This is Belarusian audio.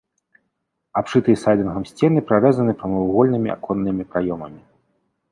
Абшытыя сайдынгам сцены прарэзаны прамавугольнымі аконнымі праёмамі.